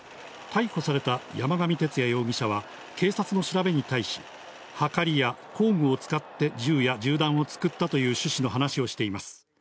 逮捕された山上徹也容疑者は、警察の調べに対し、はかりや工具を使って銃や銃弾を作ったという趣旨の話をしています。